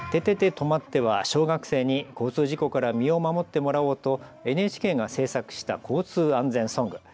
とまって！は小学生に交通事故から身を守ってもらおうとＮＨＫが制作した交通安全ソング。